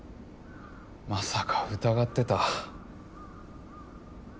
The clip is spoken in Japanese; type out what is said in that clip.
まさか疑ってた？